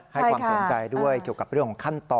ให้ความสนใจด้วยเกี่ยวกับเรื่องของขั้นตอน